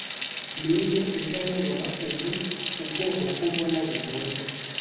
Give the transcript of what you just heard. ninde uzayobora ubu ubwoko kombona bugoye